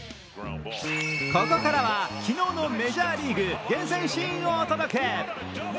ここからは昨日のメジャーリーグ厳選シーンをお届け。